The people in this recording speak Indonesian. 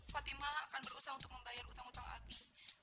fatima akan berusaha untuk membayar utang utang abik